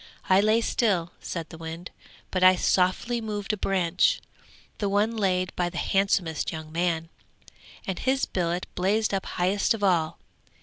I lay still,' said the wind, 'but I softly moved a branch, the one laid by the handsomest young man, and his billet blazed up highest of all.